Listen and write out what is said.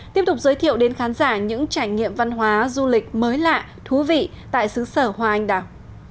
tiếp tục giới thiệu đến khán giả những trải nghiệm văn hóa du lịch mới lạ thú vị tại xứ sở hoa anh đào